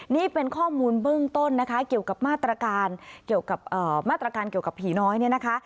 นี่เป็นข้อมูลเบื้องต้นนะคะเกี่ยวกับมาตรการเกี่ยวกับผีน้อยเนี่ยนะคะ